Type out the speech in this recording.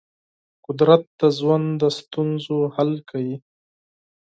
قدرت د ژوند د ستونزو حل کوي.